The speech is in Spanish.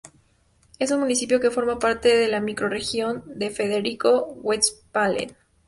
Es un municipio que forma parte de la Microrregión de Frederico Westphalen.